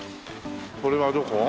これはどこ？